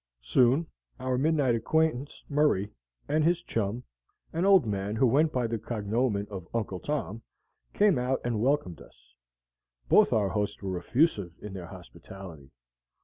Soon our midnight acquaintance, Murray, and his chum, an old man who went by the cognomen of Uncle Tom, came out and welcomed us; both our hosts were effusive in their hospitality.